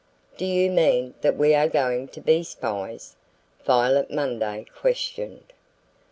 "Do you mean that we are going to be spies?" Violet Munday questioned.